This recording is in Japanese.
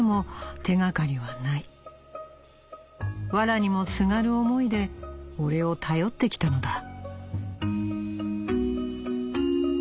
わらにもすがる思いで俺を頼ってきたのだ」。